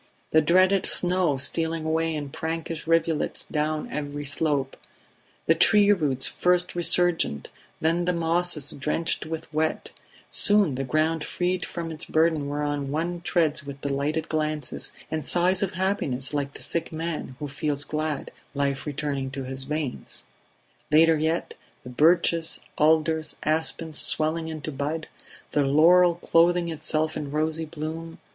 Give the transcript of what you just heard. The dreaded snow stealing away in prankish rivulets down every slope; the tree roots first resurgent, then the mosses drenched with wet, soon the ground freed from its burden whereon one treads with delighted glances and sighs of happiness like the sick man who feels glad life returning to his veins ... Later yet, the birches, alders, aspens swelling into bud; the laurel clothing itself in rosy bloom